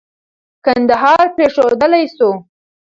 کندهار پرېښودل سو.